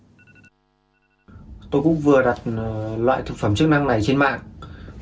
tôi cũng vừa đặt loại thực phẩm chức năng này trên mạng